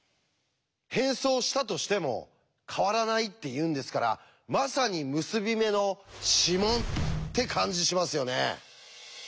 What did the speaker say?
変装したとしても変わらないっていうんですからまさに結び目の指紋って感じしますよね。